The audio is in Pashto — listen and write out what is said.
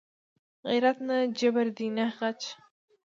غیرت نه جبر دی نه غچ